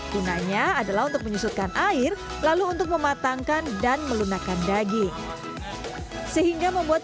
gunanya adalah untuk menyusutkan air lalu untuk mematangkan dan melunakan daging sehingga membuat